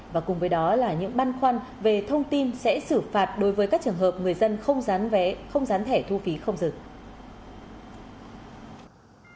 và cùng với đó là những băn khoăn về thông tin sẽ xử phạt đối với các trường hợp người dân không rán vé không gián thẻ thu phí không dừng